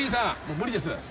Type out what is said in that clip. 無理です。